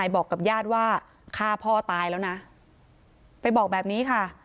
บอกกับญาติว่าฆ่าพ่อตายแล้วนะไปบอกแบบนี้ค่ะ